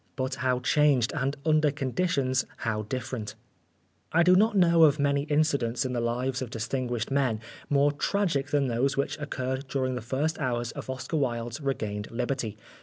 But how changed, and under conditions how different ! I do not know of many incidents in the lives of distinguished men more tragic than those which occurred during the first hours of Oscar Wilde's regained liberty.